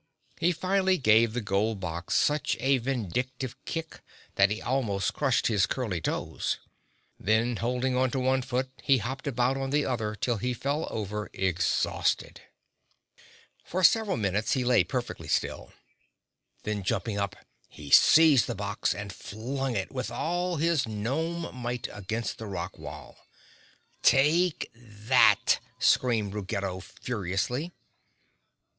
He finally gave the gold box such a vindictive kick that he almost crushed his curly toes; then holding onto one foot, he hopped about on the other till he fell over exhausted. For several minutes he lay perfectly still; then jumping up he seized the box and flung it with all his gnome might against the rock wall. "Take that!" screamed Ruggedo furiously.